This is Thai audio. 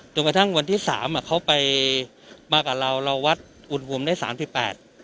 กระทั่งวันที่สามอ่ะเขาไปมากับเราเราวัดอุณหภูมิได้สามสิบแปด